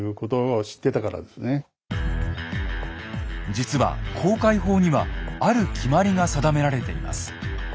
実は航海法にはある決まりが定められています。